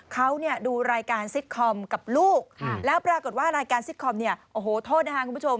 เขาดูรายการซิตคอมกับลูกแล้วปรากฏว่ารายการซิตคอมโทษนะครับคุณผู้ชม